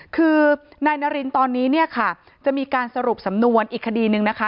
คือนายนารินตอนนี้เนี่ยค่ะจะมีการสรุปสำนวนอีกคดีนึงนะคะ